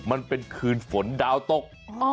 มันเป็นคืนฝนดาวตก